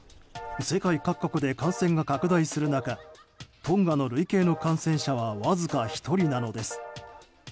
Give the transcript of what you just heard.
世界各国で感染が拡大する中トンガの累計の感染者はわずか１人なのです。